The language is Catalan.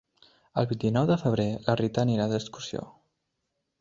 El vint-i-nou de febrer na Rita anirà d'excursió.